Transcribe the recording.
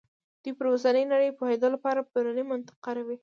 دوی پر اوسنۍ نړۍ پوهېدو لپاره پرونی منطق کاروي.